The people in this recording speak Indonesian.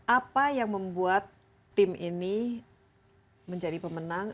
apa yang membuat tim ini menjadi pemenang